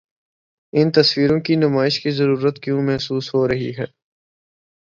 ان تصویروں کی نمائش کی ضرورت کیوں محسوس ہو رہی ہے؟